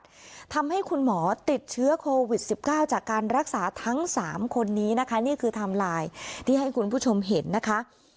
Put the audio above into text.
ทำให้คุณหมอติดเชื้อโควิด๑๙จากการรักษาทั้ง๓คนนี้นะคะนี่คือไทม์ไลน์ที่ให้คุณผู้ชมเห็นนะคะ